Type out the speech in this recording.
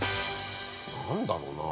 何だろうな。